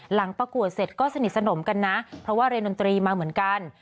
ประกวดเสร็จก็สนิทสนมกันนะเพราะว่าเรียนดนตรีมาเหมือนกัน